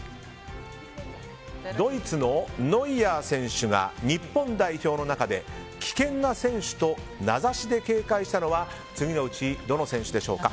ドイツのノイアー選手が日本代表の中で危険な選手と名指しで警戒したのは次のうち、どの選手でしょうか。